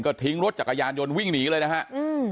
ก็ทิ้งรถจักรยานยนต์วิ่งหนีเลยนะฮะอืม